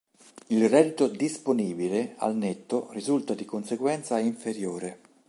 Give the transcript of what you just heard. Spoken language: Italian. Il reddito "disponibile", al netto, risulta di conseguenza inferiore.